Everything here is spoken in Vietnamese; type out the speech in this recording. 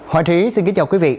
hòa trí xin kính chào quý vị